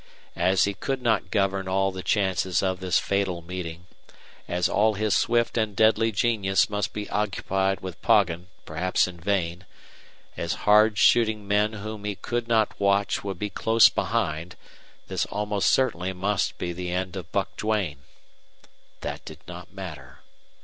As he could not govern all the chances of this fatal meeting as all his swift and deadly genius must be occupied with Poggin, perhaps in vain as hard shooting men whom he could not watch would be close behind, this almost certainly must be the end of Buck Duane. That did not matter.